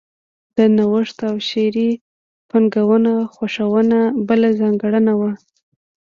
د نوښت او شعري فنونو خوښونه بله ځانګړنه وه